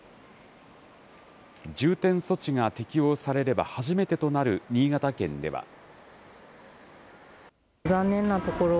重点措置が適用されれば初めてとなる新潟県では。